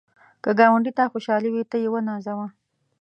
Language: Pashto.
که ګاونډي ته خوشحالي وي، ته یې ونازوه